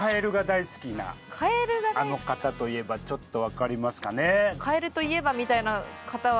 あの方といえばちょっとわかりますかね？